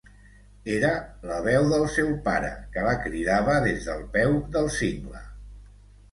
Era la veu del seu pare que la cridava des del peu del cingle.